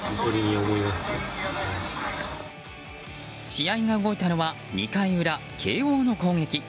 試合が動いたのは２回裏、慶応の攻撃。